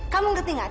kamu ngerti gak